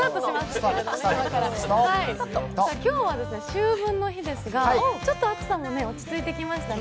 今日は秋分の日ですが、ちょっと暑さも落ち着いてきましたね。